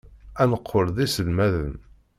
Ad neqqel d iselmaden.